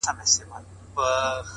o سپوږميه کړنگ وهه راخېژه وايم،